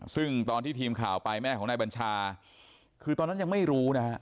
ซึ่งตอนที่ทีมข่าวไปแม่ของนายบัญชาคือตอนนั้นยังไม่รู้นะฮะ